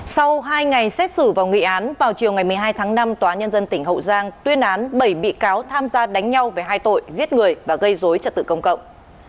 sau hai ngày xét xử và nghị án vào chiều ngày một mươi hai tháng năm tòa nhân dân tỉnh hậu giang tuyên án bảy bị cáo tham gia đánh nhau về hai tội giết người và gây dối trật tự công cộng